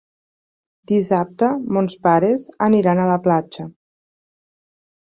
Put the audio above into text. Dissabte mons pares aniran a la platja.